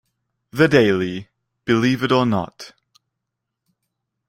The daily Believe It or Not!